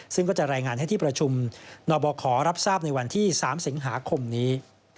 ซึ่งก็จะรายงานให้ที่ประชุมนบครับทราบในวันที่๓สิงหาคมนี้